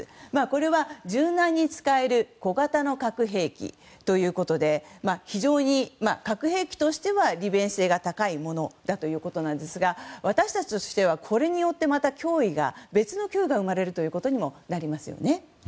これは柔軟に使える小型の核兵器ということで非常に核兵器としては利便性が高いものなんですが私たちとしてはこれによって別の脅威が生まれることになりますね。